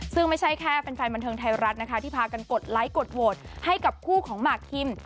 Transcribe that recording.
ซึ่งไม่ใช่แค่แฟนบันเทิงไทยรัฐนะคะที่พากันกดไลค์กดโหวตให้กับคู่ของหมากคิม